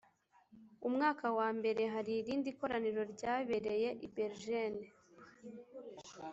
umwaka wambere hari irindi koraniro ryabereye i Bergen